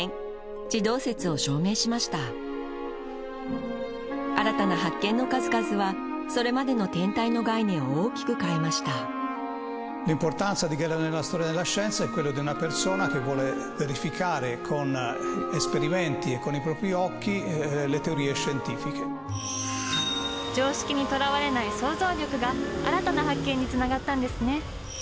地動説を証明しました新たな発見の数々はそれまでの天体の概念を大きく変えました常識にとらわれない想像力が新たな発見につながったんですね。